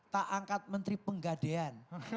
tak angkat menteri penggadean